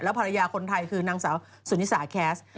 ภรรยาคนไทยคือนางสาวสุนิสาแคสต์